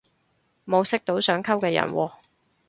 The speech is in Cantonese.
冇識到想溝嘅人喎